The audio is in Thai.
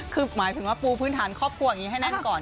คือหมายถึงว่าปูพื้นฐานครอบครัวอย่างนี้ให้แน่นก่อน